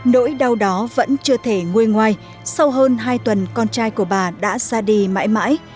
nỗi đau đó vẫn chưa thể nguôi ngoài sau hơn hai tuần con trai của bà đã ra đi mãi mãi